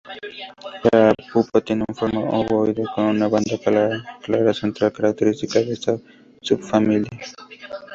La pupa tiene forma ovoide con una banda clara central, característica de esta subfamilia.